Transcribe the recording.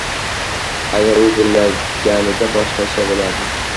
Agar u bilganida boshqacha boʻlardi...